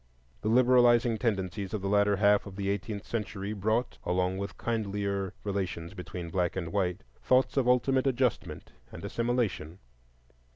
The liberalizing tendencies of the latter half of the eighteenth century brought, along with kindlier relations between black and white, thoughts of ultimate adjustment and assimilation.